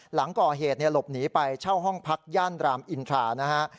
หลังก่อเหตุหลบหนีไปเช่าห้องพักย่านรามอินทรานะฮะ